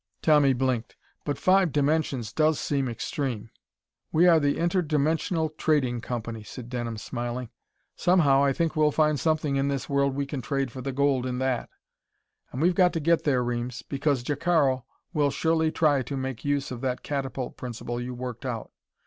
Tommy blinked. "But five dimensions does seem extreme...." "We are the Interdimensional Trading Company," said Denham, smiling. "Somehow, I think we'll find something in this world we can trade for the gold in that. And we've got to get there, Reames, because Jacaro will surely try to make use of that catapult principle you worked out.